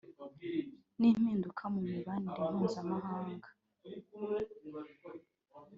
n’impinduka mu mibanire mpuza mahanga